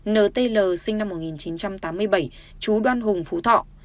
nt sinh năm một nghìn chín trăm tám mươi bảy chú đoan hùng phú thọ